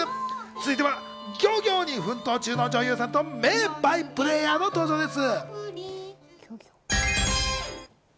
続いては漁業に奮闘中の女優さんと名バイプレーヤーの登場です。